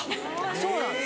そうなんです。